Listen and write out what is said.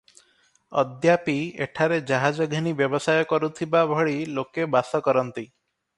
ଅଦ୍ୟାପି ଏଠାରେ ଜାହାଜ ଘେନି ବ୍ୟବସାୟ କରୁଥିବା ଭଳି ଲୋକେ ବାସ କରନ୍ତି ।